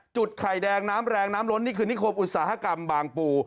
ไข่แดงน้ำแรงน้ำล้นนี่คือนิคมอุตสาหกรรมบางปู